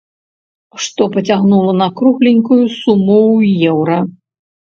Што пацягнула на кругленькую суму ў еўра.